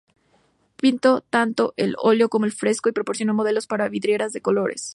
Pintó tanto al óleo como al fresco y proporcionó modelos para vidrieras de colores.